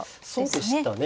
そうでしたね。